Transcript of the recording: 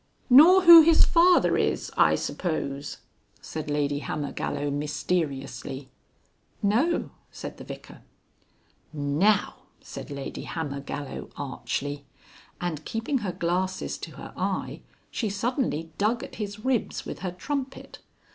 "Nor who his father is, I suppose?" said Lady Hammergallow mysteriously. "No," said the Vicar. "Now!" said Lady Hammergallow archly, and keeping her glasses to her eye, she suddenly dug at his ribs with her trumpet.